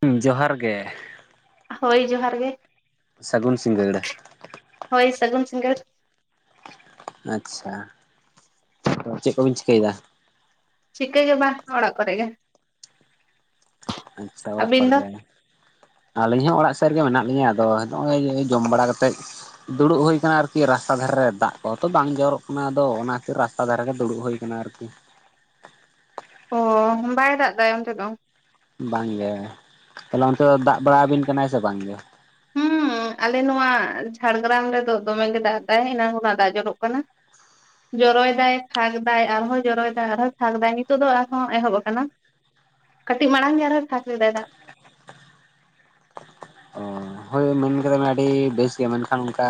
ᱦᱩᱸ ᱡᱚᱦᱟᱨ ᱜᱮ᱾ ᱦᱳᱭ ᱡᱚᱦᱟᱨ ᱜᱮ᱾ ᱥᱟᱹᱜᱩᱱ ᱥᱤᱸᱜᱟᱹᱲ᱾ ᱦᱳᱭ ᱥᱟᱹᱜᱩᱱ ᱥᱤᱸᱜᱟᱹᱲ᱾ ᱟᱪᱪᱷᱟ ᱟᱫᱚ ᱪᱮᱜ ᱠᱚᱵᱤᱱ ᱪᱤᱠᱟᱹᱭᱫᱟ? ᱪᱤᱠᱟᱹᱜᱮ ᱵᱟᱝ ᱚᱲᱟᱜ ᱠᱚᱨᱮ ᱜᱮ᱾ ᱟᱪᱷᱟ ᱚᱲᱟᱜ ᱟᱹᱵᱤᱱ ᱠᱚᱨᱮ ᱫᱚ ᱜᱮ᱾ ᱟᱹᱞᱤᱧ ᱦᱚᱸ ᱚᱲᱟᱜ ᱥᱮᱜ ᱨᱮᱜᱮ ᱢᱮᱱᱟᱜ ᱞᱤᱧᱟᱹ ᱟᱫᱚ ᱦᱚᱜᱼᱚᱭ ᱡᱚᱢ ᱵᱟᱲᱟ ᱠᱟᱛᱮᱜ ᱫᱩᱲᱩᱵ ᱦᱩᱭ ᱟᱠᱟᱱᱟ ᱟᱨᱠᱤ ᱨᱟᱥᱛᱟ ᱫᱷᱟᱨᱮ ᱨᱮ ᱫᱟᱜ ᱠᱚᱦᱚᱸ ᱛᱚ ᱵᱟᱝ ᱡᱚᱨᱚᱜ ᱠᱟᱱᱟ ᱟᱫᱚ ᱚᱱᱟ ᱠᱷᱟᱹᱛᱤᱨ ᱨᱟᱥ ᱛᱟ ᱫᱷᱟᱨᱮ ᱨᱮᱜᱮ ᱫᱩᱲᱩᱵ ᱦᱩᱭ ᱟᱠᱟᱱᱟ ᱟᱨᱠᱤ᱾ ᱚ ᱵᱟᱭ ᱫᱟᱜ ᱫᱟᱭ ᱚᱱᱛᱮ ᱫᱚ? ᱵᱟᱝ ᱜᱮ ᱛᱟᱦᱚᱞᱮ ᱚᱱᱛᱮ ᱫᱚ ᱫᱟᱜ ᱵᱟᱲᱟᱵᱤᱱ ᱠᱟᱱᱟᱭ ᱥᱮ ᱵᱟᱝᱜᱮ ᱦᱩᱸᱻ ᱟᱞᱮ ᱱᱚᱣᱟ ᱡᱷᱟᱲᱜᱨᱟᱢ ᱨᱮᱫᱚ ᱫᱚᱢᱮ ᱜᱮ ᱫᱟᱜ ᱮᱫᱟᱭ ᱮᱱᱟᱝ ᱠᱷᱚᱱᱟᱜ ᱫᱟᱜ ᱡᱚᱨᱚᱜ ᱠᱟᱱᱟ ᱡᱚᱨᱚᱭ ᱫᱟᱭ ᱯᱷᱟᱸᱠ ᱫᱟᱭ ᱟᱨᱦᱚᱸ ᱡᱚᱨᱚᱭ ᱮᱫᱟᱭ ᱟᱨᱦᱚᱸ ᱯᱷᱟᱠ ᱫᱟᱭ ᱱᱤᱛᱚᱜ ᱫᱚ ᱟᱨᱦᱚᱸ ᱮᱦᱚᱵ ᱟᱠᱟᱱᱟ ᱠᱟᱹᱴᱤ ᱢᱟᱲᱟᱝ ᱜᱮ ᱟᱨ ᱦᱚᱸᱭ ᱯᱷᱟᱠ ᱞᱮᱫᱟ ᱫᱟᱜ ᱚ ᱦᱳᱭ ᱢᱮᱱ ᱟᱠᱟᱫᱟᱢ ᱟᱹᱰᱤ ᱵᱮᱥ ᱜᱮ ᱢᱮᱱᱠᱷᱟᱱ ᱚᱱᱠᱟ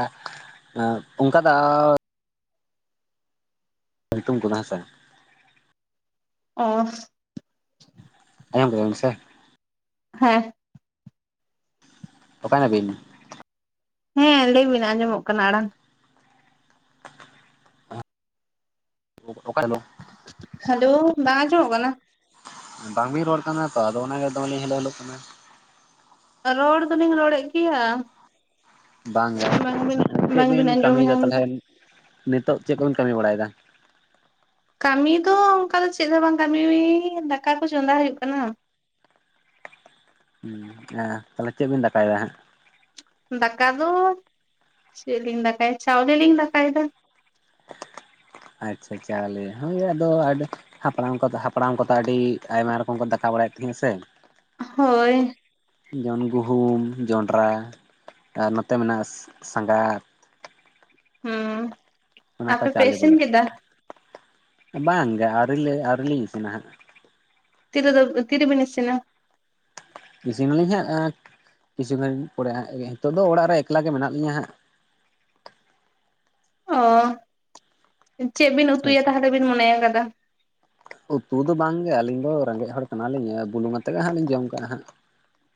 ᱚᱱᱠᱟ ᱫᱚ ᱧᱩᱛᱩᱢ ᱠᱚᱫᱚ ᱦᱮᱸ ᱥᱮ ᱚᱻ ᱟᱡᱚᱢ ᱠᱮᱫᱟᱢ ᱥᱮ ᱦᱮᱸ ᱚᱠᱟᱭᱱᱟᱹᱵᱤᱱ ᱦᱮᱸ ᱞᱟᱹᱭᱵᱤᱱ ᱟᱸᱡᱚᱢᱚᱜ ᱠᱟᱱᱟ ᱟᱲᱟᱝ ᱚᱠᱟ ᱨᱮ ᱫᱚ ᱦᱮᱞᱳ ᱵᱟᱝ ᱟᱸᱡᱚᱢᱚᱜ ᱠᱟᱱᱟ ᱵᱟᱝᱵᱤᱱ ᱨᱚᱲ ᱠᱟᱱᱟ ᱛᱚ ᱟᱫᱚ ᱚᱱᱟᱜᱮ ᱫᱚᱢᱮ ᱞᱤᱧ ᱦᱮᱞᱳ ᱦᱮᱞᱳᱜ ᱠᱟᱱᱟ ᱨᱚᱲ ᱫᱚᱞᱤᱧ ᱨᱚᱲᱮᱫ ᱜᱮᱭᱟ ᱵᱟᱝᱜᱮ ᱵᱟᱝᱵᱤᱱ ᱪᱮᱫ ᱵᱟᱝᱵᱤᱱ ᱵᱤᱱ ᱟᱸᱡᱚᱢ ᱠᱟᱹᱢᱤᱭᱮᱫᱟ ᱧᱟᱢᱫᱟ ᱛᱟᱦᱚᱞᱮ ᱱᱤᱛᱚᱜ ᱪᱮᱫ ᱠᱚᱵᱤᱱ ᱠᱟᱹᱢᱤ ᱵᱟᱲᱟᱭᱮᱫᱟ ᱠᱟᱹᱢᱤ ᱫᱚ ᱚᱱᱠᱟ ᱫᱚ ᱪᱮᱫ ᱦᱚ ᱵᱟᱝ ᱠᱟᱹᱢᱤ ᱫᱟᱠᱟ ᱠᱚ ᱪᱚᱸᱫᱟ ᱦᱩᱭᱩᱜ ᱠᱟᱱᱟ ᱦᱮᱸ ᱛᱟᱦᱚᱞᱮ ᱪᱮᱫ ᱵᱤᱱ ᱫᱟᱠᱟᱭᱮᱫᱟ ᱦᱟᱸᱜ? ᱫᱟᱠᱟ ᱫᱚ ᱪᱮᱫ ᱞᱤᱧ ᱫᱟᱠᱟᱭᱟ ᱪᱟᱣᱞᱮ ᱞᱤᱧ ᱫᱟᱠᱟᱭᱫᱟ᱾ [inaudible] ᱟᱪᱪᱷᱟ ᱪᱟᱣᱞᱮ ᱦᱩᱭ ᱟᱫᱚ ᱦᱟᱯᱲᱟᱢ ᱠᱚᱫᱚ ᱦᱟᱯᱲᱟᱢ ᱠᱚᱫᱚ ᱟᱹᱰᱤ ᱟᱭᱢᱟ ᱨᱚᱠᱚᱢ ᱠᱚ ᱫᱟᱠᱟ ᱵᱟᱲᱟᱭᱮᱫ ᱛᱟᱦᱮᱸ ᱟᱥᱮ᱾ ᱦᱳᱭᱻ ᱡᱮᱢᱚᱱ ᱜᱩᱦᱩᱢ ᱡᱚᱱᱰᱽᱨᱟ ᱟᱨ ᱱᱚᱛᱮ ᱢᱮᱱᱟᱜᱼᱟ ᱥᱟᱸᱜᱟᱛ᱾ ᱦᱩᱸᱻ ᱚᱱᱟ ᱠᱚ ᱪᱟᱣᱞᱮ ᱵᱚᱞᱮ, ᱵᱟᱝ ᱜᱮ ᱟᱹᱣᱨᱤᱞᱮ ᱟᱹᱣᱨᱤᱞᱤᱧ ᱤᱥᱤᱱᱟ ᱦᱟᱸᱜ᱾ ᱛᱤᱨᱮ ᱫᱚ ᱛᱤᱨᱮᱵᱤᱱ ᱤᱥᱤᱱᱟ? ᱤᱥᱤᱱᱟᱞᱤᱧ ᱦᱟᱸᱜ ᱠᱤᱪᱷᱩ ᱜᱟᱱ ᱯᱚᱨᱮ᱾ ᱱᱤᱛᱚᱜ ᱫᱚ ᱚᱲᱟᱜ ᱨᱮ ᱮᱠᱞᱟ ᱜᱮ ᱢᱮᱱᱟᱜ ᱞᱤᱧᱟᱹ ᱦᱟᱸᱜ᱾ ᱚᱻ ᱪᱮᱫ ᱵᱤᱱ ᱦᱮᱸ ᱩᱛᱩᱭᱟ ᱥᱮ ᱛᱟᱦᱚᱞᱮ ᱵᱤᱱ ᱢᱚᱱᱮᱣ ᱠᱟᱫᱟ? ᱩᱛᱩ ᱫᱚ ᱵᱟᱝᱜᱮ ᱟᱹᱞᱤᱧ ᱫᱚ ᱨᱮᱸᱜᱮᱡ ᱦᱚᱲ ᱠᱟᱱᱟ ᱞᱤᱧᱹ ᱵᱩᱞᱩᱝ ᱟᱛᱮᱫ ᱜᱮ ᱦᱟᱸᱜ ᱞᱤᱧ ᱡᱚᱢ ᱠᱟᱜ-ᱟ ᱦᱟᱸᱜ᱾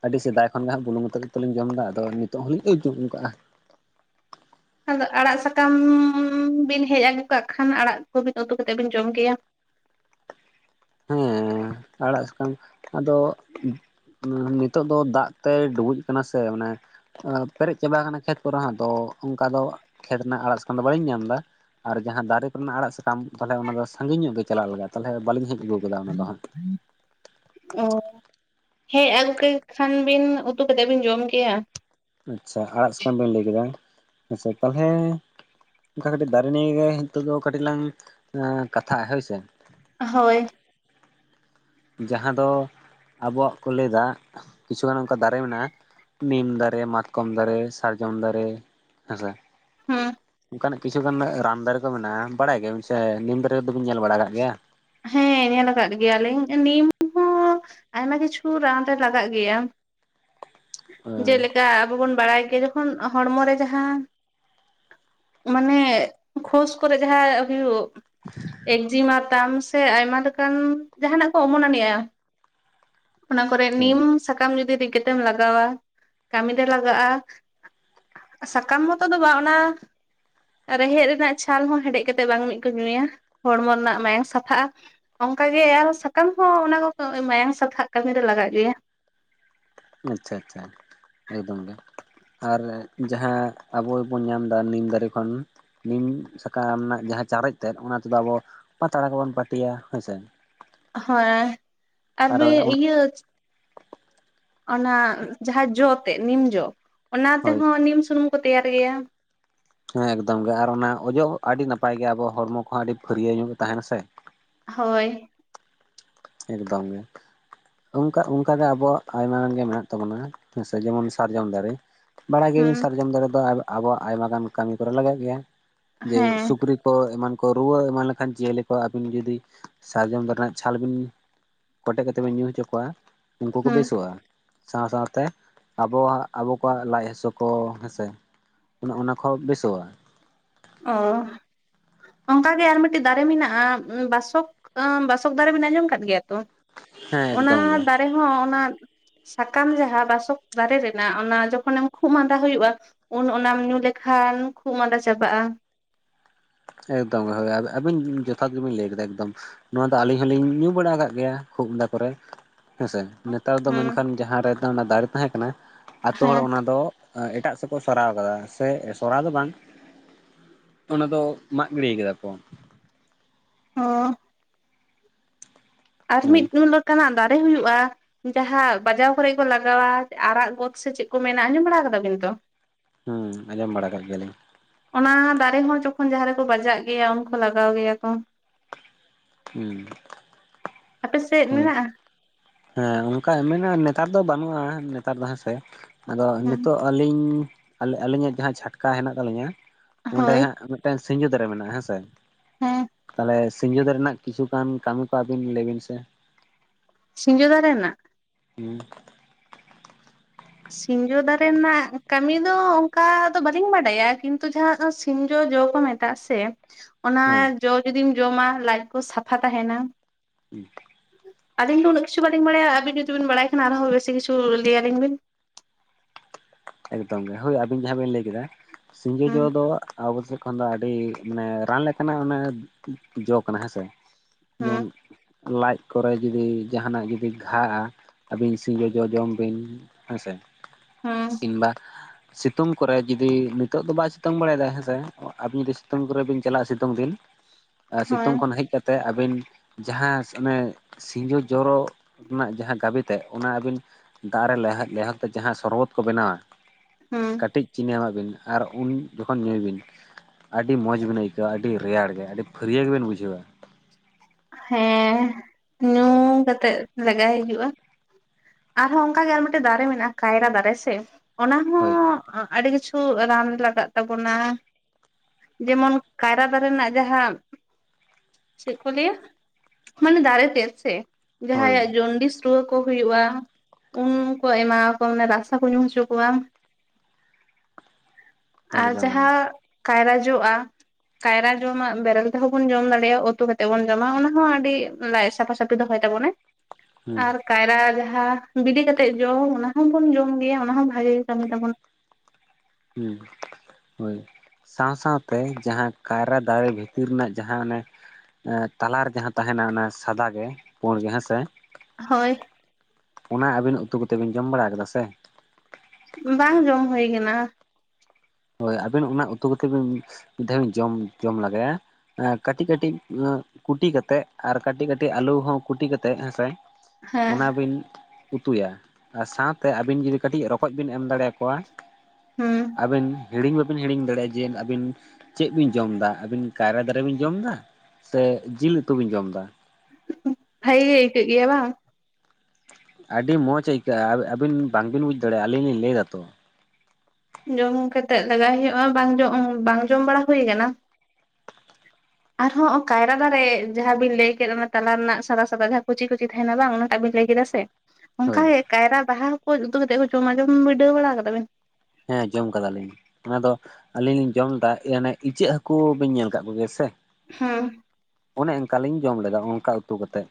ᱟᱹᱰᱤ ᱥᱮᱫᱟᱭ ᱠᱷᱚᱱ ᱜᱮ ᱦᱟᱸᱜ ᱵᱩᱞᱩᱝ ᱟᱛᱮᱫ ᱜᱮᱛᱚᱞᱤᱧ ᱡᱚᱢ ᱫᱟ ᱟᱫᱚ ᱱᱤᱛᱚᱜ ᱦᱚ ᱞᱤᱧ ᱟᱹ ᱡᱚᱢ ᱠᱟᱜᱼᱟ᱾ ᱟᱫᱚ ᱟᱲᱟᱜ ᱥᱟᱠᱟᱢ ᱵᱤᱱ ᱦᱮᱡ ᱟᱹᱜᱩ ᱠᱟᱜ ᱠᱷᱟᱱ ᱟᱲᱟᱜ ᱠᱚ ᱵᱤᱱ ᱩᱛᱩ ᱠᱟᱛᱮᱫ ᱵᱤᱱ ᱡᱚᱢ ᱠᱮᱭᱟ᱾ ᱦᱮᱸᱻ ᱟᱲᱟᱜ ᱥᱟᱠᱟᱢ ᱟᱫᱚ ᱱᱤᱛᱚᱜ ᱫᱚ ᱫᱟᱜ ᱛᱮᱭ ᱰᱩᱵᱩᱡ ᱟᱠᱟᱱᱟ ᱥᱮ ᱢᱟᱱᱮ ᱟ ᱯᱮᱨᱮᱡ ᱪᱟᱵᱟ ᱟᱠᱟᱱᱟ ᱠᱷᱮᱛ ᱠᱚᱨᱮ ᱦᱚᱸ ᱟᱫᱚ ᱚᱱᱠᱟ ᱫᱚ ᱠᱷᱮᱛ ᱨᱮᱱᱟᱜ ᱟᱲᱟᱜ ᱥᱟᱠᱟᱢ ᱫᱚ ᱵᱟᱹᱞᱤᱧ ᱧᱟᱢ ᱫᱟ᱾ ᱟᱨ ᱡᱟᱦᱟᱸ ᱫᱟᱨᱮ ᱠᱚᱨᱮᱱᱟᱜ ᱟᱲᱟᱜ ᱥᱟᱠᱟᱢ ᱛᱟᱦᱚᱞᱮ ᱚᱱᱟ ᱫᱚ ᱥᱟᱺᱜᱤᱧ ᱧᱚᱜ ᱜᱮ ᱪᱟᱞᱟᱜ ᱞᱟᱜᱼᱟ᱾ ᱛᱟᱦᱚᱞᱮ ᱵᱟᱹᱞᱤᱧ ᱦᱮᱡ ᱟᱹᱜᱩ ᱟᱠᱟᱫᱟ ᱚᱱᱟ ᱫᱚ ᱦᱟᱸᱜ᱾ ᱚ ᱦᱮᱡ ᱟᱹᱜᱩ ᱠᱮ ᱠᱷᱟᱱ ᱵᱤᱱ ᱩᱛᱩ ᱠᱟᱛᱮ ᱵᱤᱱ ᱡᱚᱢ ᱠᱮᱭᱟ᱾ ᱟᱪᱪᱷᱟ ᱟᱲᱟᱜ ᱥᱟᱠᱟᱢ ᱵᱮᱱ ᱞᱟᱹᱭ ᱠᱮᱫᱟ ᱦᱮᱸᱥᱮ ᱛᱟᱦᱚᱞᱮ ᱚᱱᱠᱟ ᱠᱟᱹᱴᱤᱡ ᱫᱟᱨᱮ ᱱᱤᱭᱮ ᱜᱮ ᱱᱤᱛᱚᱜ ᱫᱚ ᱠᱟᱹᱴᱤᱡ ᱞᱟᱝ ᱠᱟᱛᱷᱟᱜ-ᱟ ᱦᱳᱭ ᱥᱮ᱾ ᱦᱳᱭ᱾ ᱡᱟᱦᱟᱸ ᱫᱚ ᱟᱵᱚᱣᱟᱜ ᱠᱚ ᱞᱟᱹᱭᱫᱟ ᱠᱤᱪᱷᱩᱜᱟᱱ ᱚᱱᱠᱟ ᱫᱟᱨᱮ ᱢᱮᱱᱟᱜᱼᱟ ᱱᱤᱢ ᱫᱟᱨᱮ ᱢᱟᱛᱠᱚᱢ ᱫᱟᱨᱮ ᱥᱟᱨᱡᱚᱢ ᱫᱟᱨᱮ ᱦᱮᱸ ᱥᱮ᱾ ᱦᱮᱸ᱾ ᱚᱱᱠᱟᱱᱟᱜ ᱠᱤᱪᱷᱩᱜᱟᱱ ᱨᱟᱱ ᱫᱟᱨᱮ ᱠᱚ ᱢᱮᱱᱟᱜᱼᱟ᱾ ᱵᱟᱲᱟᱭ ᱜᱮᱭᱟ ᱵᱤᱱ ᱥᱮ ᱱᱤᱢ ᱫᱟᱨᱮ ᱫᱚ ᱵᱤᱱ ᱧᱮᱞ ᱵᱟᱲᱟ ᱟᱠᱟᱫ ᱜᱮᱭᱟ? ᱦᱮᱸ ᱧᱮᱞ ᱟᱠᱟᱫ ᱜᱮᱭᱟ ᱞᱤᱧ ᱱᱤᱢ ᱦᱚᱸ ᱦᱚ ᱟᱭᱢᱟ ᱠᱤᱪᱷᱩ ᱨᱟᱱ ᱨᱮ ᱞᱟᱜᱟᱜ ᱜᱮᱭᱟ᱾ ᱡᱮᱞᱮᱠᱟ ᱟᱵᱚ ᱵᱚᱱ ᱵᱟᱲᱟᱭ ᱜᱮᱭᱟ ᱡᱚᱠᱷᱚᱱ ᱦᱚᱲᱢᱚ ᱨᱮ ᱡᱟᱦᱟᱸ ᱢᱟᱱᱮ ᱠᱷᱳᱥ ᱠᱚᱨᱮ ᱡᱟᱦᱟᱸ ᱦᱩᱭᱩᱜ᱾ ᱮᱠᱡᱤᱢᱟ ᱛᱟᱢ ᱥᱮ ᱟᱭᱢᱟ ᱞᱮᱠᱟᱱ ᱡᱟᱦᱟᱸᱱᱟᱜ ᱠᱚ ᱚᱢᱚᱱᱟᱱᱤᱜᱼᱟ᱾ ᱚᱱᱟ ᱠᱚᱨᱮᱜ ᱱᱤᱢ ᱦᱳᱭ ᱥᱟᱠᱟᱢ ᱡᱩᱫᱤ ᱨᱤᱫ ᱠᱟᱹᱛᱮᱢ ᱞᱟᱜᱟᱣᱟ ᱠᱟᱹᱢᱤ ᱨᱮ ᱞᱟᱜᱟᱜᱼᱟ᱾ ᱥᱟᱠᱟᱢ ᱢᱚᱛᱚ ᱫᱚ ᱵᱟ ᱚᱱᱟ᱾ ᱨᱮᱦᱮᱫ ᱨᱮᱱᱟᱜ ᱪᱷᱟᱞ ᱦᱚᱸ ᱦᱮᱰᱮᱡ ᱠᱟᱛᱮᱜ ᱵᱟᱝ ᱢᱤᱫ ᱠᱚ ᱧᱩᱭᱟ᱾ ᱦᱚᱲᱢᱚ ᱨᱮᱱᱟᱜ ᱢᱟᱭᱟᱝ ᱥᱟᱯᱷᱟᱜᱼᱟ᱾ ᱚᱝᱠᱟᱜᱮ ᱟᱨᱚ ᱥᱟᱠᱟᱢ ᱦᱚᱸ ᱚᱱᱟ ᱠᱚ ᱢᱟᱭᱟᱝ ᱥᱟᱯᱷᱟᱜ ᱠᱟᱹᱢᱤᱨᱮ ᱞᱟᱜᱟᱜ ᱜᱮᱭᱟ᱾ ᱟᱪᱪᱷᱟ ᱪᱷᱟ ᱮᱠᱫᱚᱢ ᱜᱮ᱾ ᱟᱨ ᱡᱟᱦᱟᱸ ᱟᱵᱚ ᱵᱚᱱ ᱧᱟᱢ ᱫᱟ ᱱᱤᱢ ᱫᱟᱨᱮ ᱠᱷᱚᱱ᱾ ᱱᱤᱢ ᱥᱟᱠᱟᱢ ᱱᱟᱜ ᱡᱟᱦᱟᱸ ᱪᱟᱨᱮᱡ ᱛᱮᱫ, ᱚᱱᱟ ᱛᱮᱫᱚ ᱟᱵᱚ ᱯᱟᱛᱲᱟ ᱠᱚᱵᱚᱱ ᱯᱟᱹᱴᱤᱭᱟ ᱦᱮᱸ ᱥᱮ᱾ ᱦᱮᱸ ᱟᱨᱵᱮ ᱤᱭᱟᱹ ᱚᱱᱟ ᱡᱟᱦᱟ ᱡᱚ ᱛᱮᱜ, ᱱᱤᱢ ᱡᱚ ᱚᱱᱟ ᱦᱳᱭ ᱛᱮᱦᱚᱸ ᱱᱤᱢ ᱥᱩᱱᱩᱢ ᱠᱚ ᱛᱮᱭᱟᱨ ᱜᱮᱭᱟ᱾ ᱦᱮᱸ ᱮᱠᱫᱚᱢ ᱜᱮ ᱟᱨ ᱚᱱᱟ ᱚᱡᱚᱜ ᱟᱹᱰᱤ ᱱᱟᱯᱟᱭ ᱜᱮ ᱟᱵᱚ ᱦᱚᱲᱢᱚ ᱠᱚᱦᱚᱸ ᱟᱹᱰᱤ ᱯᱷᱟᱹᱨᱭᱟᱹ ᱧᱚᱜ ᱛᱟᱦᱮᱱᱟ ᱥᱮ᱾ ᱦᱳᱭ᱾ ᱮᱠᱫᱚᱢ ᱜᱮ᱾ ᱚᱝᱠᱟ ᱚᱝᱠᱟᱜᱮ ᱟᱵᱚᱣᱟᱜ ᱟᱭᱢᱟ ᱜᱟᱱ ᱜᱮ ᱢᱮᱱᱟᱜ ᱛᱟᱵᱚᱱᱟ᱾ ᱦᱮᱸᱥᱮ ᱡᱮᱢᱚᱱ ᱥᱟᱨᱡᱚᱢ ᱫᱟᱨᱮ᱾ ᱵᱟᱲᱟᱭ ᱜᱮᱭᱟᱵᱤᱱ ᱦᱩᱸ ᱥᱟᱨᱡᱚᱢ ᱫᱟᱨᱮ ᱫᱚ ᱟᱵ ᱟᱵᱚᱣᱟᱜ ᱟᱭᱢᱟ ᱜᱟᱱ ᱠᱟᱹᱢᱤ ᱠᱚᱨᱮ ᱞᱟᱜᱟᱜ ᱜᱮᱭᱟ᱾ ᱡᱮ ᱦᱮᱸ ᱥᱩᱠᱨᱤ ᱛᱚ ᱮᱢᱟᱱ ᱠᱚ ᱨᱩᱣᱟᱹ ᱮᱢᱟᱱ ᱞᱮᱠᱷᱟᱱ ᱡᱤᱭᱟᱹᱞᱤ ᱠᱚ ᱟᱹᱵᱤᱱ ᱡᱩᱫᱤ ᱥᱟᱨᱡᱚᱢ ᱨᱮᱱᱟᱜ ᱪᱷᱟᱞ ᱵᱤᱱ ᱠᱚᱴᱮᱡ ᱠᱟᱛᱮ ᱵᱤᱱ ᱧᱩ ᱦᱚᱪᱚ ᱠᱚᱣᱟ ᱩᱝᱠᱩ ᱠᱚ ᱦᱩᱸ ᱵᱮᱥᱚᱜᱼᱟ᱾ ᱥᱟᱶ ᱥᱟᱶᱛᱮ ᱟᱵᱚᱜ ᱟᱵᱚ ᱠᱚᱣᱟᱜ ᱞᱟᱡᱽ ᱦᱟᱹᱥᱩ ᱠᱚ ᱦᱮᱸᱥᱮ ᱚᱱᱮ ᱚᱱᱟ ᱠᱚᱦᱚ ᱵᱮᱥᱚᱜᱼᱟ᱾ ᱚᱻ ᱚᱝᱠᱟ ᱜᱮ ᱟᱨ ᱢᱤᱴᱤᱜ ᱫᱟᱨᱮ ᱢᱮᱱᱟᱜᱼᱟ᱾ ᱵᱟᱥᱚᱠ ᱚᱻᱵᱟᱥᱚᱠ ᱫᱟᱨᱮ ᱵᱤᱱ ᱟᱸᱡᱚᱢ ᱠᱟᱫ ᱜᱮᱭᱟ ᱛᱚ, ᱦᱮᱸ ᱚᱱᱟ ᱮᱠᱫᱚᱢ ᱜᱮ ᱫᱟᱨᱮ ᱦᱚᱸ ᱚᱱᱟ ᱥᱟᱠᱟᱢ ᱡᱟᱦᱟ ᱵᱟᱥᱚᱠ ᱫᱟᱨᱮ ᱨᱮᱱᱟᱜ, ᱚᱱᱟ ᱡᱚᱠᱷᱚᱱᱮᱢ ᱠᱷᱩᱜ ᱢᱟᱸᱫᱟ ᱦᱩᱭᱩᱜᱼᱟ ᱩᱱ ᱚᱱᱟᱢ ᱧᱩ ᱞᱮᱠᱷᱟᱱ ᱠᱷᱩᱜ ᱢᱟᱸᱫᱟ ᱪᱟᱵᱟᱜᱼᱟ᱾ ᱮᱠᱫᱚᱢ ᱦᱳᱭ᱾ ᱟᱹᱵᱤᱱ ᱡᱚᱛᱷᱟᱛ ᱜᱮᱵᱤᱱ ᱞᱟᱹᱭ ᱠᱮᱫᱟ ᱮᱠᱫᱚᱢ ᱱᱚᱣᱟ ᱫᱚ ᱟᱞᱤᱧ ᱦᱚᱞᱤᱧ ᱧᱩ ᱵᱟᱲᱟ ᱠᱟᱜ ᱜᱮᱭᱟ ᱠᱷᱩᱜ ᱢᱟᱫᱟ ᱠᱚᱨᱮ ᱦᱮᱸᱥᱮ ᱱᱮᱛᱟᱨ ᱫᱚ ᱦᱩᱸ ᱢᱮᱱᱠᱷᱟᱱ ᱡᱟᱦᱟ ᱨᱮᱫᱚ ᱚᱱᱟ ᱫᱟᱨᱮ ᱛᱟᱦᱮᱸ ᱠᱟᱱᱟ ᱟᱛᱳ ᱦᱚᱲ ᱦᱮᱸ ᱚᱱᱟ ᱫᱚ ᱮᱴᱟᱜ ᱥᱮᱜ ᱠᱚ ᱥᱚᱨᱟᱣ ᱠᱟᱫᱟ ᱥᱮ ᱥᱚᱨᱦᱟᱣ ᱫᱚ ᱵᱟᱝ ᱚᱱᱟ ᱫᱚ ᱢᱟᱜ ᱜᱤᱲᱤᱭ ᱠᱟᱫᱟ ᱠᱚ ᱦᱚᱸ ᱟᱨ ᱦᱳᱭ ᱢᱤᱫ ᱞᱮᱠᱟᱱᱟᱜ ᱫᱟᱨᱮ ᱦᱩᱭᱩᱜᱼᱟ᱾ ᱡᱟᱦᱟ ᱵᱟᱡᱟᱣ ᱠᱚᱨᱮᱜ ᱠᱚ ᱞᱟᱜᱟᱣᱟ ᱟᱨᱟᱜ ᱜᱚᱫ ᱥᱮ ᱪᱮᱫ ᱠᱚ ᱢᱮᱱᱟ ᱟᱸᱡᱚᱢ ᱵᱟᱲᱟ ᱠᱟᱫᱟ ᱵᱤᱱ ᱛᱚ ᱦᱩᱸ ᱟᱸᱡᱚᱢ ᱵᱟᱲᱟ ᱠᱟᱜ ᱜᱮᱭᱟᱞᱤᱧ᱾ ᱚᱱᱟ ᱫᱟᱨᱮ ᱦᱚᱸ ᱡᱚᱠᱷᱚᱱ ᱡᱟᱦᱟ ᱨᱮᱠᱚ ᱵᱟᱡᱟᱜ ᱜᱮᱭᱟ, ᱩᱱᱠᱚ ᱞᱟᱜᱟᱣ ᱜᱮᱭᱟ ᱠᱚ᱾ ᱦᱩᱸ ᱟᱯᱮ ᱥᱮᱫ ᱦᱳᱭ ᱢᱮᱱᱟᱜᱼᱟ? ᱦᱮᱸ ᱚᱝᱠᱟ ᱢᱮᱱᱟᱜ ᱱᱮᱛᱟᱨ ᱫᱚ ᱵᱟᱱᱩᱜᱼᱟ, ᱱᱮᱛᱟᱨ ᱫᱚ ᱦᱮᱸᱥᱮ ᱟᱫᱚ ᱦᱮᱸ ᱱᱤᱛᱚᱜ ᱟᱹᱞᱤᱧ, ᱟᱹᱞᱤᱼᱟᱹᱞᱤᱧᱟᱜ ᱡᱟᱦᱟᱸ ᱡᱷᱟᱴᱠᱟ ᱦᱮᱱᱟᱜ ᱛᱟᱹᱟᱞᱤᱧᱟ, ᱚᱸᱰᱮ ᱦᱳᱭ ᱦᱟᱸᱜ ᱢᱤᱫ ᱴᱟᱝ ᱥᱤᱧᱡᱚ ᱫᱟᱨᱮ ᱢᱮᱱᱟᱜᱼᱟ᱾ᱦᱮᱸ ᱥᱮ ᱦᱮᱸ ᱛᱟᱞᱚᱦᱮ ᱥᱤᱧᱡᱚ ᱫᱟᱨᱮᱱᱟᱜ ᱠᱤᱪᱷᱩᱜᱟᱱ ᱠᱟᱹᱢᱤ ᱠᱚ ᱟᱵᱤᱱ ᱞᱟᱹᱭ ᱵᱤᱱ ᱥᱮ ᱥᱤᱧᱡᱚ ᱫᱟᱨᱮ ᱨᱮᱱᱟᱜ ᱦᱩᱸ ᱥᱤᱧᱡᱚ ᱫᱟᱨᱮ ᱱᱟᱜ ᱠᱟᱹᱢᱤ ᱫᱚ, ᱚᱝᱠᱟ ᱫᱚ ᱵᱟᱹᱞᱤᱧ ᱵᱟᱰᱟᱭᱟ᱾ᱠᱤᱱᱛᱩ ᱡᱟᱦᱟᱸ ᱥᱤᱧᱡᱚ ᱡᱚ ᱠᱚ ᱢᱮᱛᱟ ᱠᱟᱜ ᱥᱮ ᱚᱱᱟ ᱦᱮᱸ ᱡᱚ ᱡᱩᱫᱤᱢ ᱡᱚᱢᱟ ᱞᱟᱡᱽ ᱠᱚ ᱥᱟᱯᱷᱟ ᱛᱟᱦᱮᱸᱱᱟ᱾ [inaudible] ᱟᱞᱤᱧ ᱫᱚ ᱩᱱᱟᱹᱜ ᱠᱤᱪᱩ ᱵᱟᱞᱤᱧ ᱵᱟᱲᱟᱭᱟ᱾ ᱟᱵᱤᱱ ᱡᱩᱫᱤᱵᱤᱱ ᱵᱟᱲᱟᱭ ᱠᱷᱟᱱ ᱟᱨᱚᱸ ᱵᱤᱥᱤ ᱠᱤᱪᱷᱩ ᱞᱟᱹᱭ ᱟᱞᱤᱧ ᱵᱤᱱ ᱮᱠᱫᱚᱢ ᱜᱮ ᱦᱳᱭ᱾ ᱟᱹᱵᱤᱱ ᱡᱟᱦᱟᱸ ᱵᱤᱱ ᱞᱟᱹᱭ ᱠᱮᱫᱟ ᱥᱤᱧᱡᱚ ᱦᱩᱸ ᱡᱚ ᱫᱚ ᱟᱵᱚ ᱥᱮᱫ ᱠᱷᱚᱱ ᱫᱚ ᱟᱹᱰᱤ ᱢᱟᱱᱮ ᱨᱟᱱ ᱞᱮᱠᱟᱱᱟᱜ ᱚᱱᱮ ᱡᱚ ᱠᱟᱱᱟ ᱦᱮᱸᱥᱮ ᱦᱩᱸ ᱡᱮᱢᱚᱱ ᱞᱟᱡᱽ ᱠᱚᱨᱮ ᱡᱩᱫᱤ ᱡᱟᱦᱟᱸᱱᱟᱜ ᱡᱩᱫᱤ ᱜᱷᱟᱜᱼᱟ ᱟᱹᱵᱤᱱ ᱥᱤᱧ ᱡᱚᱼᱡᱚ ᱡᱚᱢ ᱵᱤᱱ ᱦᱮᱸᱥᱮ ᱦᱩᱸ ᱠᱤᱱᱵᱟ ᱥᱤᱛᱩᱝ ᱠᱚᱨᱮ ᱡᱩᱫᱤ ᱱᱤᱛᱚᱜ ᱫᱚ ᱵᱟᱭ ᱥᱤᱛᱩᱝ ᱵᱟᱲᱟᱭᱫᱟ ᱦᱮᱸᱥᱮ, ᱟᱵᱤᱱ ᱡᱩᱫᱤ ᱥᱤᱛᱩᱝ ᱠᱚᱨᱮ ᱵᱤᱱ ᱪᱟᱞᱟᱜᱼᱟ ᱥᱤᱛᱩᱝ ᱫᱤᱱ [inaudible] ᱥᱤᱛᱩᱝ ᱠᱷᱚᱱ ᱦᱮᱡ ᱠᱟᱛᱮᱫ᱾ ᱟᱹᱵᱤᱱ ᱡᱟᱦᱟᱸ ᱥᱤᱸᱡᱳ ᱡᱚᱨᱚ ᱨᱮᱱᱟᱜ ᱡᱟᱦᱟᱸ ᱜᱟᱵᱮ ᱛᱮᱫ ᱚᱱᱟ ᱟᱹᱵᱤᱱ ᱫᱟᱜ ᱨᱮ ᱞᱮᱦᱚᱫ ᱞᱮᱦᱟᱫ ᱛᱮ ᱡᱟᱦᱟᱸ ᱥᱚᱨᱵᱚᱛ ᱠᱚ ᱵᱮᱱᱟᱣᱟ᱾ ᱦᱩᱸ ᱠᱟᱹᱴᱤᱡ ᱪᱤᱱᱤ ᱮᱢᱟᱜ ᱵᱤᱱ ᱟᱨ ᱩᱱ ᱡᱚᱠᱷᱚᱱ ᱧᱩᱭ ᱵᱤᱱ ᱟᱹᱰᱤ ᱢᱚᱡᱽ ᱵᱮᱱ ᱟᱹᱭᱠᱟᱹᱣᱟ, ᱟᱹᱰᱤ ᱨᱮᱭᱟᱲ ᱜᱮ ᱟᱹᱰᱤ ᱯᱷᱟᱹᱨᱭᱟᱹ ᱜᱮᱵᱤᱱ ᱵᱩᱡᱷᱟᱹᱣᱟ᱾ ᱦᱮᱸ ᱧᱩ ᱠᱟᱛᱮᱜ ᱞᱮᱜᱟᱭ ᱦᱤᱡᱩᱜ-ᱟ᱾ ᱟᱨᱦᱚᱸ ᱚᱱᱠᱟ ᱜᱮ ᱟᱨ ᱢᱤᱫᱴᱮᱡ ᱫᱟᱨᱮ ᱢᱮᱱᱟᱜᱼᱟ᱾ᱠᱟᱭᱨᱟ ᱫᱟᱨᱮ ᱥᱮ ᱚᱱᱟ ᱦᱚᱸ ᱦᱳᱭ ᱟᱹᱰᱤ ᱠᱤᱪᱷᱩ ᱨᱟᱱ ᱨᱮ ᱞᱟᱜᱟᱜ ᱛᱟᱵᱚᱱᱟ᱾ ᱡᱮᱢᱚᱱ ᱠᱟᱭᱨᱟ ᱫᱟᱨᱮ ᱨᱮᱱᱟᱜ ᱡᱟᱦᱟᱸ ᱪᱮᱫ ᱠᱚ ᱞᱟᱹᱭᱟ ᱢᱟᱱᱮ ᱫᱟᱨᱮ ᱛᱮᱫ ᱥᱮ ᱦᱳᱭ ᱡᱟᱦᱟᱸᱭᱟᱜ ᱡᱚᱱᱰᱤᱥ ᱨᱩᱣᱟᱹ ᱠᱚ ᱦᱩᱭᱩᱜᱼᱟ᱾ᱩᱱ ᱠᱚ ᱮᱢᱟ ᱠᱚᱭᱟ ᱢᱟᱱᱮ ᱨᱟᱥᱟ ᱠᱚ ᱧᱩ ᱦᱚᱪᱚ ᱠᱚᱣᱟ᱾ ᱟᱨ ᱮᱠᱫᱚᱢ ᱜᱮ ᱡᱟᱦᱟᱸ ᱠᱟᱭᱨᱟ ᱡᱚᱜᱼᱟ᱾ᱠᱟᱭᱨᱟ ᱡᱚ ᱢᱟ ᱵᱮᱨᱮᱞ ᱛᱮᱦᱚᱸ ᱵᱚᱱ ᱡᱚᱢ ᱫᱟᱲᱮᱭᱟᱜᱼᱟ, ᱩᱛᱩ ᱠᱟᱛᱮᱫ ᱵᱚᱱ ᱡᱚᱢᱟ ᱚᱱᱟ ᱦᱚᱸ ᱟᱹᱰᱤ ᱞᱟᱡᱽ ᱥᱟᱯᱷᱟ ᱥᱟᱹᱯᱷᱤ ᱫᱚᱦᱚᱭ ᱦᱩᱸ ᱛᱟᱵᱚᱱᱟ᱾ᱟᱨ ᱠᱟᱭᱨᱟ ᱡᱟᱦᱟᱸ ᱵᱤᱞᱤ ᱠᱟᱛᱮᱜ ᱡᱚᱢ ᱚᱱᱟ ᱦᱚᱸᱵᱚᱱ ᱡᱚᱢ ᱜᱮᱭᱟ᱾ ᱚᱱᱟ ᱦᱚᱸ ᱵᱷᱟᱹᱜᱤ ᱜᱮ ᱠᱟᱹᱢᱤ ᱛᱟᱵᱚᱱᱟ᱾ ᱦᱩᱸ ᱦᱳᱭ᱾ ᱥᱟᱶ ᱥᱟᱶᱛᱮ, ᱡᱟᱦᱟᱸ ᱠᱟᱭᱨᱟ ᱫᱟᱨᱮ ᱵᱷᱤᱛᱤᱨ ᱨᱮᱱᱟᱜ ᱡᱟᱦᱟᱸ ᱚᱱᱮ ᱛᱟᱞᱟᱨᱮ ᱡᱟᱦᱟᱸ ᱛᱟᱦᱮᱱᱟ ᱚᱱᱟ ᱥᱟᱫᱟ ᱜᱮ ᱯᱩᱸᱲ ᱜᱮ ᱦᱮᱸ ᱥᱮ ᱦᱳᱭ᱾ ᱚᱱᱟ ᱟᱹᱵᱤᱱ ᱩᱛᱩ ᱠᱟᱛᱮᱫ ᱵᱤᱱ ᱡᱚᱢ ᱵᱟᱲᱟ ᱟᱠᱟᱫᱟ ᱥᱮ᱾ ᱵᱟᱝ ᱡᱚᱢ ᱦᱩᱭ ᱠᱟᱱᱟ᱾ ᱦᱳᱭ ᱟᱹᱵᱤᱱ ᱚᱱᱟ ᱩᱛᱩ ᱠᱟᱛᱮᱫ ᱵᱤᱱ ᱢᱤᱫ ᱫᱷᱟᱣ ᱵᱤᱱ ᱡᱚᱢ ᱡᱚᱢ ᱞᱮᱜᱟᱭᱟ ᱠᱟᱹᱴᱤᱡ ᱠᱟᱹᱴᱤᱡ ᱠᱩᱴᱤ ᱠᱟᱛᱮᱜ ᱟᱨ ᱠᱟᱹᱴᱤᱡ ᱠᱟᱹᱴᱤᱡ ᱟᱹᱞᱩ ᱦᱚᱸ ᱠᱩᱴᱤ ᱠᱟᱛᱮᱜ ᱦᱮᱸᱥᱮ᱾ ᱦᱮᱸ ᱚᱱᱟ ᱵᱤᱱ ᱩᱛᱩᱭᱟ ᱟᱨ ᱥᱟᱶᱛᱮ ᱟᱹᱵᱤᱱ ᱡᱩᱫᱤ ᱠᱟᱹᱴᱤᱡ ᱨᱚᱠᱚᱡ ᱵᱤᱱ ᱮᱢ ᱫᱟᱲᱮᱭᱟ ᱠᱚᱣᱟ ᱦᱩᱸ ᱟᱹᱵᱤᱱ ᱦᱤᱲᱤᱧ ᱵᱟᱵᱤᱱ ᱦᱤᱲᱤᱧ ᱫᱟᱲᱮᱭᱟᱜᱼᱟ ᱡᱮ ᱟᱹᱵᱤᱱ ᱪᱮᱫ ᱵᱤᱱ ᱡᱚᱢ ᱮᱫᱟ ᱟᱹᱵᱤᱱ ᱠᱟᱭᱨᱟ ᱫᱟᱨᱮ ᱵᱤᱱ ᱡᱚᱢ ᱮᱫᱟ ᱥᱮ ᱡᱤᱞ ᱩᱛᱩ ᱵᱤᱱ ᱡᱚᱢ ᱮᱫᱟ ᱵᱷᱟᱹᱜᱤ ᱜᱮ ᱟᱹᱭᱠᱟᱹᱜ ᱜᱮᱭᱟ ᱵᱟᱝ᱾ ᱟᱹᱰᱤ ᱢᱚᱡᱽ ᱟᱹᱭᱠᱟᱹᱜᱼᱟ ᱟᱹᱵᱤᱱ ᱵᱟᱝᱵᱤᱱ ᱵᱩᱡᱽ ᱫᱟᱲᱮᱭᱟᱜᱼᱟ ᱟᱹᱞᱤᱧ ᱞᱤᱧ ᱞᱟᱹᱭ ᱮᱟᱛᱚ ᱡᱚᱢ ᱠᱟᱛᱮᱜ ᱞᱮᱜᱟᱣ ᱦᱩᱭᱩᱜᱼᱟ ᱵᱟᱝ ᱡᱚ ᱵᱟᱝ ᱡᱚᱢ ᱵᱟᱲᱟ ᱦᱩᱭ ᱟᱠᱟᱱᱟ ᱟᱨᱦᱚᱸ ᱠᱟᱭᱨᱟ ᱫᱟᱨᱮ ᱡᱟᱦᱟᱸ ᱵᱤᱱ ᱞᱟᱹᱭ ᱠᱮᱫ ᱚᱱᱟ ᱛᱟᱞᱟ ᱨᱮᱱᱟᱜ ᱥᱟᱫᱟ ᱥᱟᱫᱟ ᱡᱟᱦᱟᱸ ᱠᱩᱪᱤ ᱠᱩᱪᱤ ᱛᱟᱦᱮᱱᱟ ᱵᱟᱝ ᱚᱱᱟ ᱟᱨ ᱵᱤᱱ ᱞᱟᱹᱭ ᱠᱮᱫᱟ ᱥᱮ ᱚᱱᱠᱟ ᱦᱳᱭ ᱜᱮ ᱠᱟᱭᱨᱟ ᱵᱟᱦᱟ ᱦᱚᱸ ᱠᱚ ᱩᱛᱩ ᱠᱟᱛᱮᱫ ᱠᱚ ᱡᱚᱢᱟ ᱡᱚᱢ ᱵᱤᱰᱟᱹᱣ ᱵᱟᱲᱟ ᱠᱟᱫᱟ ᱵᱤᱱ? ᱦᱮᱸ ᱡᱚᱢ ᱠᱟᱫᱟᱞᱤᱧ ᱚᱱᱟᱫᱚ ᱟᱹᱞᱤᱧ ᱞᱤᱧ ᱡᱚᱢ ᱫᱟ ᱮ ᱦᱟᱱᱮ ᱤᱪᱟᱹᱜ ᱦᱟᱹᱠᱩ ᱵᱤᱱ ᱧᱮᱞ ᱟᱠᱟᱫ ᱠᱚᱜᱮᱭᱟ ᱥᱮ ᱦᱮᱸ ᱚᱱᱮ ᱚᱱᱠᱟᱞᱤᱧ ᱡᱚᱢ ᱞᱮᱫᱟ ᱚᱱᱠᱟ ᱩᱛᱩ ᱠᱟᱛᱮᱫ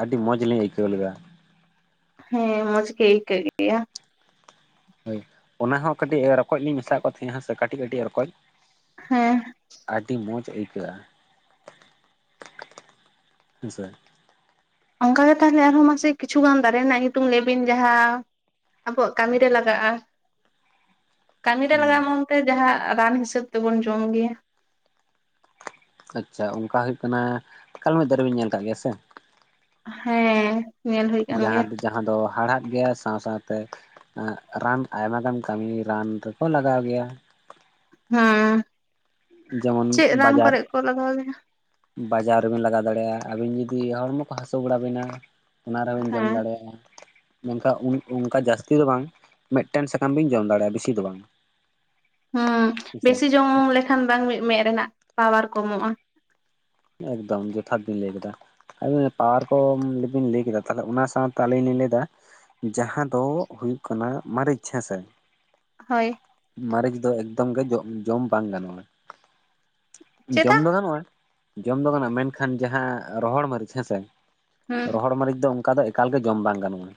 ᱟᱹᱰᱤ ᱢᱚᱡᱽ ᱞᱤᱧ ᱟᱹᱭᱠᱟᱹᱣ ᱞᱮᱫᱟ ᱦᱮᱸ ᱢᱡᱽ ᱜᱮ ᱟᱭᱠᱟᱹᱜ ᱜᱮᱭᱟ ᱦᱳᱭ ᱚᱱᱟ ᱦᱚᱸ ᱠᱟᱹᱴᱤᱡ ᱨᱚᱠᱚᱡ ᱞᱤᱧ ᱢᱮᱥᱟᱣ ᱠᱚ ᱛᱟᱦᱮᱸ ᱦᱮᱸ ᱥᱮ ᱠᱟᱹᱴᱤᱡ ᱠᱟᱹᱴᱤᱡ ᱨᱚᱠᱚᱡ ᱦᱮᱸ ᱟᱹᱰᱤ ᱢᱚᱡᱽ ᱟᱹᱭᱠᱟᱹᱜᱼᱟ ᱦᱩᱸᱥᱮ ᱚᱱᱠᱟᱟᱜ ᱜᱮ ᱛᱟᱦᱚᱞᱮ ᱟᱨᱦᱚᱸ ᱢᱟᱥᱮ ᱠᱤᱪᱷᱩᱜᱟᱱ ᱫᱟᱨᱮ ᱨᱮᱱᱟᱜ ᱧᱩᱛᱩᱢ ᱞᱟᱹᱭ ᱵᱤᱱ ᱡᱟᱦᱟᱸ ᱟᱵᱚᱣᱟᱜ ᱠᱟᱹᱢᱤ ᱨᱮ ᱞᱟᱜᱟᱜᱼᱟ ᱠᱟᱹᱢᱤ ᱨᱮ ᱞᱟᱜᱟ-ᱟ ᱦᱩᱸ ᱢᱚᱱᱛᱮ ᱡᱟᱦᱟᱸ ᱨᱟᱱ ᱦᱤᱥᱟᱹᱵ ᱛᱮᱵᱚᱱ ᱡᱚᱢ ᱜᱮᱭᱟ ᱟᱪᱪᱷᱟ ᱚᱱᱠᱟ ᱦᱩᱭᱩᱜ ᱠᱟᱱᱟ ᱠᱟᱞᱢᱮᱫ ᱫᱟᱨᱮ ᱵᱤᱱ ᱧᱮᱞ ᱟᱠᱟᱫ ᱜᱮᱭᱟ ᱥᱮ ᱦᱮᱸ ᱧᱮᱞ ᱦᱩᱭ ᱠᱟᱱ ᱡᱟᱦᱟᱸ ᱜᱮᱭᱟ ᱫᱚ ᱡᱟᱦᱟᱸ ᱫᱚ ᱦᱟᱲᱦᱟᱫ ᱜᱮᱭᱟ ᱥᱮ ᱥᱟᱶ ᱥᱟᱶᱛᱮ ᱨᱟᱱ ᱟᱭᱢᱟ ᱜᱟᱱ ᱠᱟᱹᱢᱤ ᱨᱟᱱ ᱨᱮᱠᱚ ᱞᱟᱜᱟᱣ ᱜᱮᱭᱟ ᱦᱮᱸ ᱡᱮᱢᱚᱱ ᱪᱮᱫ ᱨᱟᱱ ᱠᱚᱨᱮ ᱠᱚ ᱞᱟᱜᱟᱣ ᱜᱮᱭᱟ? ᱵᱟᱡᱟᱣ ᱨᱮ ᱵᱮᱱ ᱞᱟᱜᱟᱣ ᱫᱟᱲᱮᱭᱟᱜᱼᱟ ᱟᱹᱵᱤᱱ ᱡᱩᱫᱤ ᱦᱚᱲᱢᱚ ᱠᱚ ᱦᱟᱹᱥᱩ ᱵᱟᱲᱟ ᱵᱤᱱᱟ ᱚᱱᱟ ᱨᱮᱵᱚᱸᱱ ᱡᱚᱢ ᱦᱮᱸ ᱫᱟᱲᱮᱭᱟᱜᱼᱟ ᱢᱮᱱᱠᱷᱟᱱ ᱚᱱᱠᱟ ᱡᱟᱹᱥᱛᱤ ᱫᱚ ᱵᱟᱝ ᱢᱤᱫᱴᱟᱱ ᱥᱟᱠᱟᱢ ᱵᱤᱧ ᱡᱚᱢ ᱫᱟᱲᱮᱭᱟᱜᱼᱟ ᱵᱤᱥᱤ ᱫᱚ ᱵᱟᱝ ᱦᱮᱸ ᱦᱮᱸᱥᱮ ᱵᱮᱥᱤ ᱡᱚᱢ ᱞᱮᱠᱷᱟᱱ ᱵᱟᱝ ᱢᱤᱫ ᱢᱮᱫ ᱨᱮᱱᱟᱜ ᱯᱟᱣᱟᱨ ᱠᱚᱢᱚᱜᱼᱟ ᱮᱠᱫᱚᱢ ᱡᱚᱛᱷᱟᱛ ᱵᱤᱱ ᱞᱟᱹᱭ ᱠᱮᱫᱟ ᱟᱹᱵᱤᱱ ᱯᱟᱣᱟᱨ ᱠᱚ ᱵᱤᱱ ᱞᱟᱹᱭ ᱠᱮᱫᱟ ᱛᱟᱦᱚᱞᱮ ᱚᱱᱟ ᱥᱟᱶᱛᱮ ᱟᱹᱞᱤᱧ ᱞᱤᱧ ᱞᱟᱹᱭᱮᱟ ᱡᱟᱦᱟᱸ ᱫᱚ ᱦᱩᱭᱩᱜ ᱠᱟᱱᱟ ᱢᱟᱹᱨᱤᱪ ᱦᱮᱸᱥᱮ ᱦᱚᱭ ᱢᱟᱹᱨᱤᱪ ᱫᱚ ᱮᱠᱫᱚᱢ ᱜᱮ ᱡᱚᱢ ᱵᱟᱝ ᱜᱟᱱᱚᱜᱼᱟ ᱪᱮᱫᱟᱜ ᱡᱚᱢ ᱫᱚ ᱜᱟᱱᱚᱜᱼᱟ ᱡᱚᱢ ᱫᱚ ᱜᱟᱱᱚᱜᱼᱟ ᱢᱮᱱᱠᱷᱟᱱ ᱡᱟᱦᱟᱸ ᱨᱚᱦᱚᱲ ᱢᱟᱹᱨᱤᱪ ᱦᱮᱸᱥᱮ ᱦᱩᱸ ᱨᱚᱦᱚᱲ ᱢᱟᱹᱨᱤᱪ ᱫᱚ ᱚᱱᱠᱟ ᱫᱚ ᱮᱠᱟᱞ ᱜᱮ ᱡᱚᱢ ᱵᱟᱝ ᱜᱟᱱᱚᱜᱼᱟ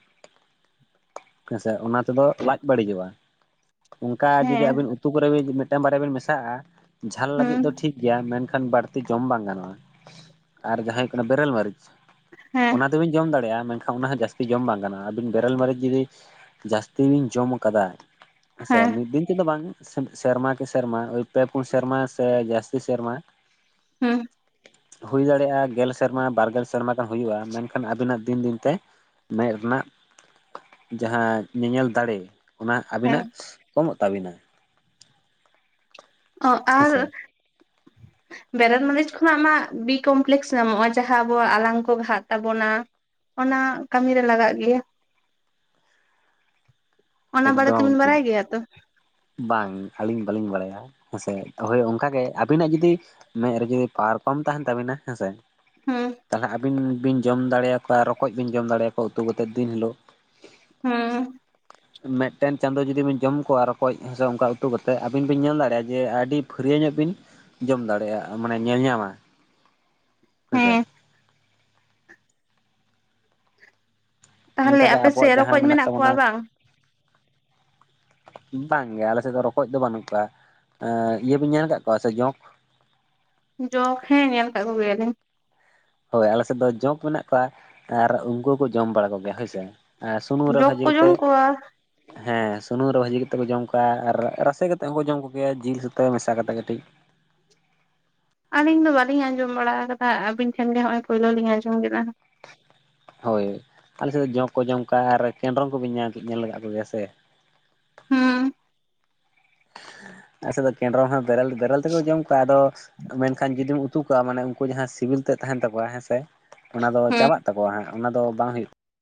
ᱦᱮᱸᱥᱮ ᱚᱱᱟ ᱛᱮᱫᱚ ᱞᱟᱡ ᱵᱟᱹᱲᱤᱡᱚᱜᱼᱟ ᱚᱱᱠᱟ ᱡᱩᱫᱤ ᱟᱵᱤᱱ ᱦᱮᱸ ᱩᱛᱩ ᱠᱚᱨᱮ ᱢᱤᱫᱴᱟᱝ ᱵᱟᱨᱭᱟ ᱵᱤᱱ ᱢᱮᱥᱟᱜᱼᱟ ᱡᱷᱟᱞ ᱞᱟᱹᱜᱤᱫ ᱫᱚ ᱦᱩᱸ ᱴᱷᱤᱠ ᱜᱮᱭᱟ ᱢᱮᱱᱠᱷᱟᱱ ᱵᱟᱹᱲ ᱡᱚᱢ ᱵᱟᱝ ᱜᱟᱱᱚᱜᱼᱟ ᱟᱨ ᱡᱟᱦᱟᱸ ᱦᱩᱭᱩᱜ ᱠᱟᱱᱟ ᱵᱮᱨᱮᱞ ᱢᱟᱹᱨᱤᱪ ᱦᱮᱸ ᱟᱫᱚ ᱵᱤᱱ ᱡᱚᱢ ᱫᱟᱲᱮᱭᱟᱜᱼᱟ ᱢᱮᱱᱠᱷᱟᱱ ᱚᱱᱟ ᱦᱚᱸ ᱡᱟᱹᱥᱛᱤ ᱡᱚᱢ ᱵᱟᱝ ᱜᱟᱱᱜ-ᱟ ᱟᱵᱤᱱ ᱵᱮᱨᱮᱞ ᱢᱟᱨᱤᱪ ᱡᱩᱫᱤ ᱡᱟᱹᱥᱛᱤ ᱵᱤᱱ ᱡᱚᱢ ᱟᱠᱟᱫᱟ ᱦᱮᱸ ᱥᱮ ᱢᱤᱫ ᱫᱤᱱ ᱛᱮᱫᱚ ᱵᱟᱝ ᱥᱮᱨᱢᱟ ᱠᱤ ᱥᱮᱨᱢᱟ ᱯᱮ ᱯᱩᱱ ᱥᱮᱨᱢᱟ ᱥᱮ ᱡᱟᱹᱥᱛᱤ ᱥᱮᱨᱢᱟ ᱦᱩᱸ ᱦᱩᱭ ᱫᱟᱲᱮᱭᱟᱜᱼᱟ ᱜᱮᱞ ᱥᱮᱨᱢᱟ ᱵᱟᱨᱜᱮᱞ ᱥᱮᱨᱢᱟ ᱦᱩᱭᱩᱜᱼᱟ ᱢᱮᱱᱠᱷᱟᱱ ᱟᱹᱵᱤᱱᱟᱜ ᱫᱤᱱ ᱫᱤᱱ ᱛᱮ ᱢᱮᱫ ᱨᱮᱱᱟᱜ ᱡᱟᱦᱟᱸ ᱧᱮᱧᱮᱞ ᱫᱟᱲᱮ ᱚᱱᱟ ᱦᱮᱸ ᱟᱹᱵᱤᱱᱟᱜ ᱠᱚᱢᱚᱜ ᱛᱟᱵᱤᱱᱟ? ᱚ ᱟᱨ ᱦᱮᱸᱥᱮ [unintelligible] ᱵᱮᱨᱮᱞ ᱢᱟᱹᱨᱤᱪ ᱠᱷᱚᱱᱟᱜ ᱢᱟᱜ ᱵᱤ ᱠᱚᱢᱯᱞᱮᱠᱥ ᱧᱟᱢᱚᱜᱼᱟ ᱡᱟᱦᱟᱸ ᱟᱵᱚᱣᱟᱜ ᱟᱞᱟᱝ ᱠᱚ ᱜᱷᱟᱹ ᱛᱟᱵᱚᱱᱟ ᱚᱱᱟ ᱠᱟᱹᱢᱤ ᱨᱮ ᱞᱟᱜᱟᱜ ᱜᱮᱭᱟ [unintelligible] ᱚᱱᱟ ᱵᱟᱲᱮ ᱛᱮᱵᱤᱱ ᱮᱠᱫᱚᱢ ᱵᱟᱰᱟᱭ ᱜᱮᱭᱟ ᱛᱚ? ᱵᱟᱝ ᱟᱹᱞᱤᱧ ᱵᱟᱹᱞᱤᱧ ᱵᱟᱰᱟᱭᱟ ᱦᱮᱸᱥᱮ ᱦᱚᱭ ᱚᱱᱠᱟ ᱜᱮ ᱟᱵᱤᱱᱟᱜ ᱡᱩᱫᱤ ᱢᱮᱫ ᱨᱮ ᱡᱩᱫᱤ ᱯᱟᱣᱟᱨ ᱠᱚᱢ ᱛᱟᱦᱮᱱ ᱛᱟᱵᱤᱱᱟ ᱦᱮᱸᱥᱮ ᱦᱩᱸ ᱛᱟᱦᱚᱞᱮ ᱟᱹᱵᱤᱱ ᱵᱤᱱ ᱡᱚᱢ ᱫᱟᱲᱮᱭᱟᱠᱚᱣᱟ ᱨᱚᱠᱚᱡ ᱵᱤᱱ ᱡᱚᱢ ᱫᱟᱲᱮᱭᱟᱠᱚᱣᱟ ᱩᱛᱩ ᱠᱟᱛᱮᱫ ᱫᱤᱱ ᱦᱤᱞᱩᱜ ᱦᱩᱸᱻ ᱢᱤᱫᱴᱮᱱ ᱪᱟᱸᱫᱚ ᱡᱩᱫᱤ ᱵᱤᱱ ᱡᱚᱢ ᱠᱚᱣᱟ ᱨᱚᱠᱚᱡ ᱥᱮ ᱚᱱᱠᱟ ᱩᱛᱩ ᱠᱟᱛᱮᱫ ᱟᱹᱵᱤᱱ ᱵᱤᱱ ᱧᱮᱞ ᱫᱟᱲᱮᱭᱟᱜᱼᱟ ᱡᱮ ᱟᱹᱰᱤ ᱯᱷᱟᱹᱨᱭᱟᱹ ᱧᱚᱜ ᱵᱤᱱ ᱡᱚᱢ ᱫᱟᱲᱮᱭᱟᱜᱼᱟ ᱢᱟᱱᱮ ᱧᱮᱞ ᱧᱟᱢᱟ [inaudible] ᱦᱮᱸ ᱥᱮ ᱛᱟᱦᱮᱞᱮ ᱚᱱᱠᱟᱜᱮ ᱟᱯᱮ ᱟᱵᱚᱣᱟᱜ ᱥᱮᱫ ᱡᱟᱦᱟᱸ ᱨᱚᱠᱚᱡ ᱢᱮᱱᱟᱜ ᱠᱚᱣᱟ ᱛᱟᱵᱚᱱᱟ ᱵᱟᱝ? ᱵᱟᱝᱜᱮ ᱟᱞᱮ ᱥᱮᱫ ᱫᱚ ᱨᱚᱠᱚᱡ ᱫᱚ ᱵᱟᱹᱱᱩᱜ ᱠᱚᱣᱟ ᱤᱭᱟᱹ ᱵᱤᱱ ᱧᱮᱞ ᱠᱟᱹ ᱠᱚᱣᱟ ᱥᱮ ᱡᱚᱝᱠ ᱡᱚᱝᱠ ᱦᱮᱸ ᱧᱮᱞ ᱟᱠᱟᱜ ᱠᱚ ᱜᱮᱭᱟᱞᱤᱧ ᱦᱚᱭ ᱟᱞᱮ ᱥᱮᱫ ᱫᱚ ᱡᱚᱝᱠ ᱢᱮᱱᱟᱜ ᱠᱚᱣᱟ ᱟᱨ ᱩᱱᱠᱩ ᱦᱚᱸᱠᱚ ᱡᱚᱢ ᱵᱟᱲᱟ ᱠᱚᱜᱮᱭᱟ ᱦᱚᱭᱥᱮ ᱟᱨ ᱥᱩᱱᱩᱢ ᱨᱮ ᱡᱚᱠ ᱵᱷᱟᱹᱡᱤ ᱠᱚ ᱡᱚᱢ ᱠᱟᱹᱛᱮ ᱠᱚᱣᱟ ᱦᱮᱸ ᱥᱩᱱᱩᱢ ᱨᱮ ᱵᱷᱟᱹᱡᱤ ᱠᱟ ᱠᱟᱛᱮᱫ ᱠᱚ ᱡᱚᱢ ᱠᱚᱣᱟ ᱟᱨ ᱨᱟᱥᱮ ᱠᱟᱛᱮᱫ ᱦᱚᱸᱠᱚ ᱡᱚᱢ ᱠᱚᱜᱮᱭᱟ ᱡᱤᱞ ᱥᱩᱛᱟᱹ ᱢᱮᱥᱟ ᱠᱟᱛᱮᱫ ᱠᱟᱹᱴᱤᱡ ᱟᱹᱞᱤᱧ ᱫᱚ ᱵᱟᱞᱤᱧ ᱟᱸᱡᱚᱢ ᱵᱟᱲᱟ ᱟᱠᱟᱫᱟ ᱟᱵᱤᱱ ᱴᱷᱮᱱ ᱜᱮ ᱱᱚᱜ ᱚᱭ ᱯᱩᱭᱞᱩ ᱞᱤᱧ ᱟᱸᱡᱚᱢ ᱠᱮᱫᱟ ᱦᱚᱭ ᱟᱞᱮ ᱥᱮᱫ ᱫᱚ ᱡᱚᱝᱠ ᱠᱚ ᱡᱚᱢ ᱟᱨ ᱠᱮᱸᱰᱨᱚᱢ ᱠᱚᱵᱤᱱ ᱧᱮᱞ ᱞᱟᱠᱟ ᱠᱚᱜᱮᱭᱟ ᱥᱮ? ᱦᱩᱸ ᱟᱞᱮ ᱥᱮᱫ ᱫᱚ ᱠᱮᱸᱰᱨᱚᱝ ᱦᱚᱸ ᱵᱮᱨᱮᱞ ᱵᱮᱨᱮᱞ ᱛᱮᱠᱚ ᱡᱚᱢ ᱠᱚᱣᱟ ᱟᱫᱚ ᱢᱮᱱᱠᱷᱟᱱ ᱡᱩᱫᱤᱢ ᱩᱛᱩ ᱠᱟᱜᱼᱟ ᱢᱟᱱᱮ ᱩᱱᱠᱩ ᱡᱟᱦᱟᱸ ᱥᱤᱵᱤᱞ ᱛᱮ ᱛᱟᱦᱮᱱ ᱛᱟᱠᱚᱣᱟ ᱦᱮᱸ ᱥᱮ ᱚᱱᱟ ᱫᱚ ᱦᱩᱸ ᱪᱟᱵᱟᱜ ᱛᱟᱠᱚᱣᱟ ᱦᱟᱸᱜ ᱚᱱᱟ ᱫᱚ ᱵᱟᱝ ᱦᱩᱭᱩᱜ